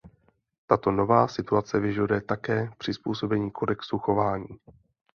Tato nová situace vyžaduje také přizpůsobení kodexu chování.